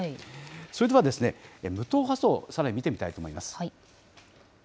それでは無党派層をさらに見てみたいと思います。